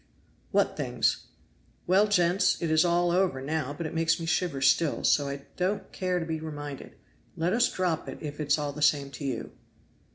"What things?" "Well, gents, it is all over now, but it makes me shiver still, so I don't care to be reminded; let us drop it if it is all the same to you."